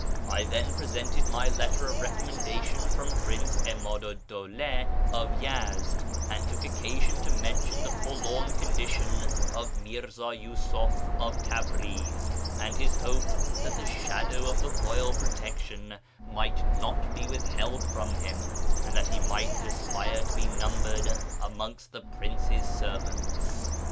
I then presented my letter of recommendation from Prince 'Imadu 'd Dawla of Yezd, and took occasion to mention the forlorn condition of Mirza Yiisuf of Tabriz, and his hope that the shadow of the Eoyal Protection might not be withheld from him, and that he might asjDire to be numbered amongst the prince's servants.